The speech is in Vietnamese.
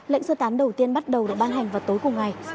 lệnh sơ tán đầu tiên bắt đầu được ban hành vào tối cùng ngày